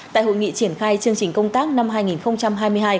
tại hội nghị triển khai chương trình công tác năm hai nghìn hai mươi hai